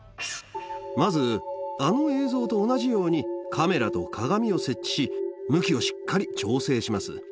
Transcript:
まず、あの映像と同じように、カメラと鏡を設置し、向きをしっかり調整します。